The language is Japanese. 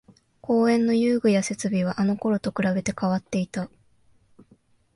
公園の遊具や設備はあのころと比べて変わっていた